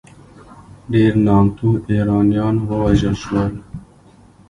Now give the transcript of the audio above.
ډېر نامتو ایرانیان ووژل شول.